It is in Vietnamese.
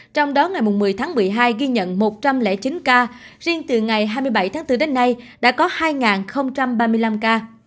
trong đó ngày một mươi tháng một mươi hai ghi nhận một trăm linh chín ca riêng từ ngày hai mươi bảy tháng bốn đến nay đã có hai ba mươi năm ca